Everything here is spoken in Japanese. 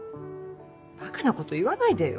ばかなこと言わないでよ。